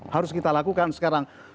harus kita lakukan sekarang